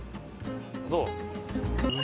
どう？